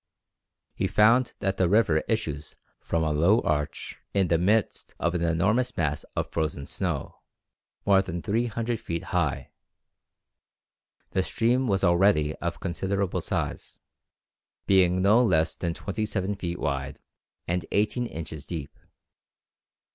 He found that the river issues from a low arch in the midst of an enormous mass of frozen snow, more than 300 feet high. The stream was already of considerable size, being no less than twenty seven feet wide and eighteen inches deep.